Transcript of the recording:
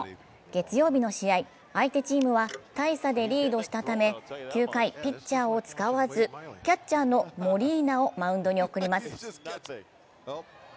月曜日の試合、相手チームは大差でリードしたため９回、ピッチャーを使わずキャッチャーのモリーナをマウンドへ送ります。